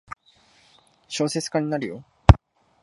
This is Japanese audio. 小説家になるよ。